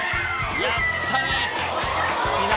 やったね！